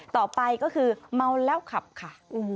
ต่อไปก็คือเมาแล้วขับค่ะ